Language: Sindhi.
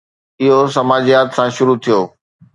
اهو سماجيات سان شروع ٿيو